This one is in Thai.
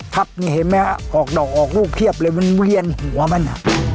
นี่เห็นไหมฮะออกดอกออกลูกเพียบเลยมันเวียนหัวมัน